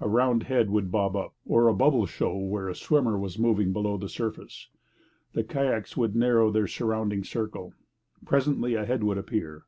A round head would bob up, or a bubble show where a swimmer was moving below the surface. The kayaks would narrow their surrounding circle. Presently a head would appear.